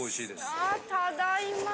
あただいま。